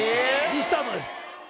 リスタートです